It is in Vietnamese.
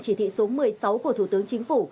chỉ thị số một mươi sáu của thủ tướng chính phủ